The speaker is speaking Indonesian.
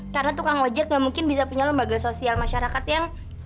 karena tukang ojek gak mungkin bisa punya lembaga sosial masyarakat yang